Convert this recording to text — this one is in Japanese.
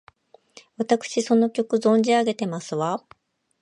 わたくしその曲、存じ上げてますわ！